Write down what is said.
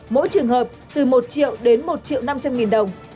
mỗi trường hợp từ một triệu đến một triệu năm trăm linh nghìn đồng